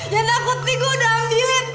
ya nakut nih gue udah ambilin